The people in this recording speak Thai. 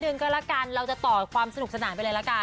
เดี๋ยวก็เราการเราจะต่อความสนุกสนาดไปเลยล่ะกัน